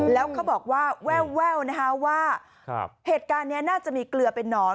แล้วเขาบอกว่าแววนะคะว่าเหตุการณ์นี้น่าจะมีเกลือเป็นนอน